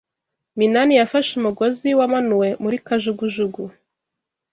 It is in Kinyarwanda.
Minani yafashe umugozi wamanuwe muri kajugujugu.